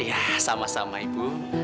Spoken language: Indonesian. iya sama sama ibu